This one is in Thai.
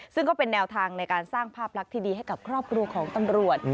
ซึ่งก็เป็นแนวทางในการสร้างภาพลักษณ์ที่ดีให้กับครอบครัวของตำรวจ